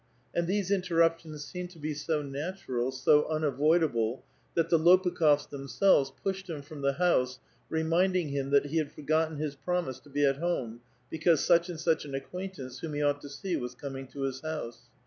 And these interruptions seemed to be so natural, so unavoid able, that the Lopukh6fs themselves pushed him from the house reminding him that he had foi^otten his promise to be at home, because such and such an acquaintance, whom he ought to see, was coming to his house.